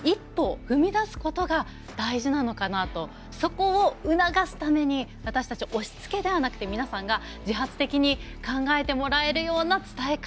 そこを促すために私たち押しつけではなくて皆さんが自発的に考えてもらえるような伝え方っていうのが大事なのかなと。